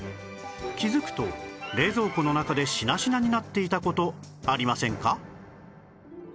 気づくと冷蔵庫の中でしなしなになっていた事ありませんか？